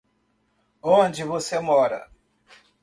Onde você mora?